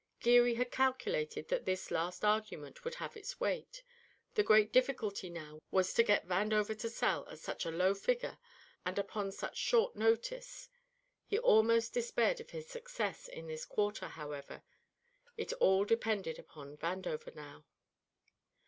Geary had calculated that this last argument would have its weight; the great difficulty now was to get Vandover to sell at such a low figure and upon such short notice. He almost despaired of his success in this quarter; however, it all depended upon Vandover now.